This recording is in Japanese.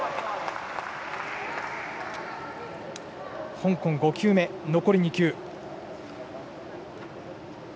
香港５球目、残り２球。